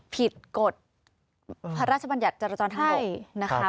กฎพระราชบัญญัติจรจรทางบกนะคะ